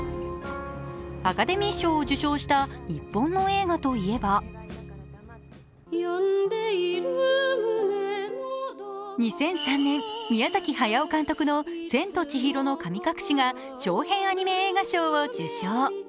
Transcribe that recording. アカデミー賞を受賞した日本の映画といえば２００３年、宮崎駿監督の「千と千尋の神隠し」が長編アニメ映画賞を受賞。